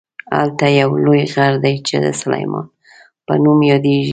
هلته یو لوی غر دی چې د سلیمان په نوم یادیږي.